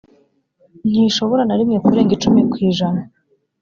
ntishobora na rimwe kurenga icumi ku ijana